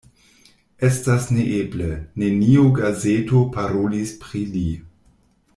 Estas neeble: neniu gazeto parolis pri li.